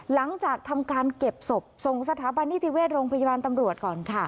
หลังจากทำการเก็บศพส่งสถาบันนิติเวชโรงพยาบาลตำรวจก่อนค่ะ